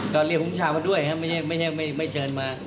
ก็เรียกปุชาติมาด้วยครับไม่เชิญมา